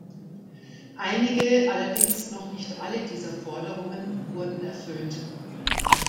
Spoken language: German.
Einige, allerdings noch nicht alle dieser Forderungen wurden erfüllt.